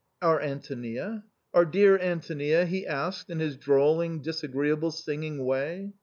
^*Our Antonia? our dear Antonia?" he asked in his drawling, disagreeable singing way.